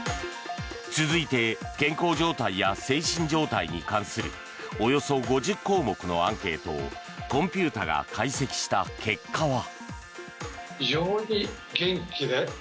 続いて健康状態や精神状態に関するおよそ５０項目のアンケートをコンピューターが解析した結果は。